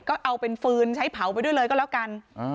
ก็เอาเป็นฟืนใช้เผาไปด้วยเลยก็แล้วกัน